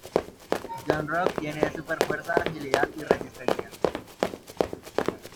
Yon-Rogg tiene súper fuerza, agilidad y resistencia.